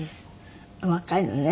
お若いのね。